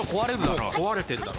もう壊れてるだろ。